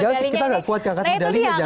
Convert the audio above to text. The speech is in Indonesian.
jangan jangan kita gak kuat ke angkat medalinya